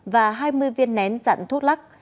và hai mươi viên nén dạng thuốc lắc